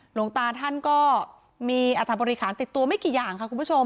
หลวงตาท่านก็มีอาทารณ์บริขาตะกตัวไม่กี่อย่างค่ะ